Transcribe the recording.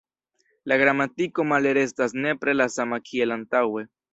La gramatiko male restas nepre la sama kiel antaŭe".